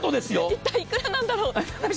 一体いくらなんだろう？